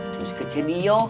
terus ke cedio